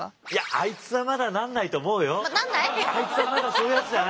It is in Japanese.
あいつはまだそういうやつじゃないよ。